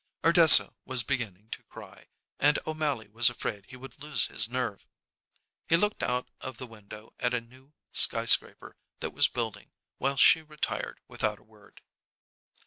Ardessa was beginning to cry, and O'Mally was afraid he would lose his nerve. He looked out of the window at a new sky scraper that was building, while she retired without a word.